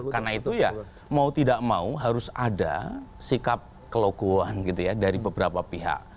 karena itu ya mau tidak mau harus ada sikap kelokuan dari beberapa pihak